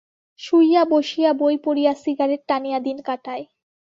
শুইয়া বসিয়া বই পড়িয়া সিগারেট টানিয়া দিন কাটায়।